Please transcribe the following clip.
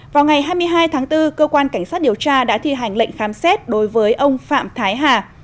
vào ngày hai mươi hai tháng bốn cơ quan cảnh sát điều tra đã thi hành lệnh khám xét đối với ông phạm thái hà